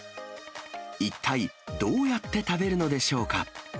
一体、どうやって食べるのでしょうか。